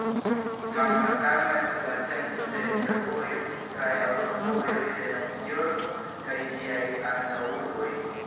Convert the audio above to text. Manhatano estas la centro de fervojoj kaj aŭtovojoj de Novjorko kaj ĝiaj antaŭurboj.